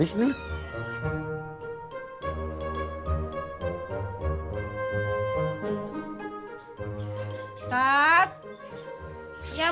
ini si taji udin pengen ngerasain kopi bikinan lu